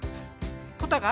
⁉ポタが？